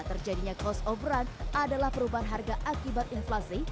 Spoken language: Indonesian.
terjadinya cost of run adalah perubahan harga akibat inflasi